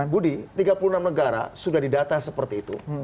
budi tiga puluh enam negara sudah didata seperti itu